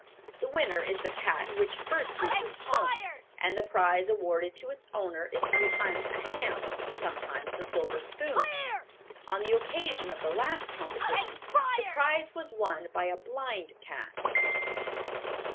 The winner is the cat which first reaches home, and the prize awarded to its owner is sometimes a ham, sometimes a silver spoon. On the occasion of the last competition the prize was won by a blind cat."